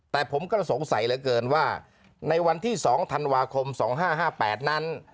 แต่ผมก็สงสัยเหลือเกินว่าในวันที่สองธันวาคมสองห้าห้าแปดนั้น